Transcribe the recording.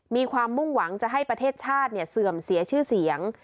มีความมุ่งหวังจะให้ประเทศชาติเสื่อมเสียชื่อเสียง